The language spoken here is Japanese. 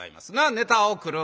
ネタを繰る。